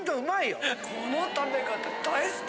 この食べ方大好き！